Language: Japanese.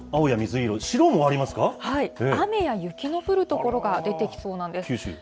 はい、雨や雪の降る所が出てきそうなんです。